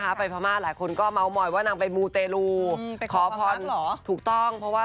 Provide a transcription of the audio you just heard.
ความรักให้ปังหรือเปล่าคะ